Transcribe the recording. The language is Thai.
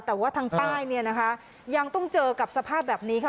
แต่ว่าทางใต้เนี่ยนะคะยังต้องเจอกับสภาพแบบนี้ค่ะ